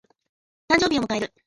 誕生日を迎える。